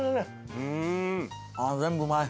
ああ全部うまい。